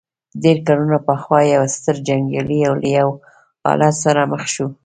ډېر کلونه پخوا يو ستر جنګيالی له يوه حالت سره مخ شو.